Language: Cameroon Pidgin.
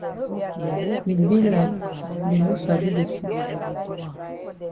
E be like dey no sabi de sick.